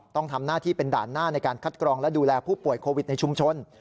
ต้องทำหน้าที่เป็นด่านหน้าในการคัดกรองและดูแลผู้ป่วยโควิดในชุมชน